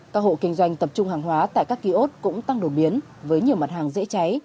các hộ kinh doanh tập trung hàng hóa tại các kiosk cũng tăng đột biến với nhiều mặt hàng dễ cháy